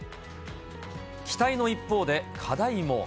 期待の一方で課題も。